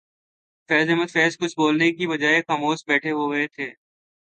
فیض احمد فیض کچھ بولنے کی بجائے خاموش بیٹھے ہوئے تھے